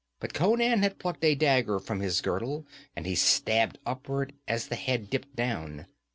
But Conan had plucked a dagger from his girdle and he stabbed upward as the head dipped down.